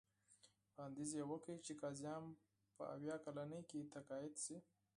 وړاندیز یې وکړ چې قاضیان په اویا کلنۍ کې تقاعد شي.